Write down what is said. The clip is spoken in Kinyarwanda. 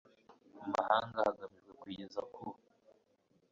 mu mahanga hagamijwe kuyigeza ku